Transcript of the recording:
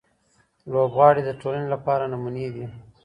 لوبغاړي د ټولنې لپاره نمونې دي.